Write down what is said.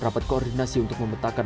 rapat koordinasi untuk memetakan